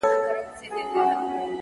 د خپل وجود پرهرولو کي اتل زه یم’